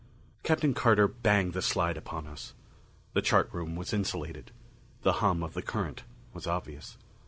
Captain Carter banged the slide upon us. The chart room was insulated. The hum of the current was obvious.